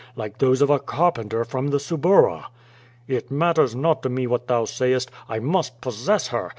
Like those of a carpenter from the Suburra." "It matters not to me what thou sayest. I must possess her!